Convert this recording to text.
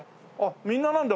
みんななんだ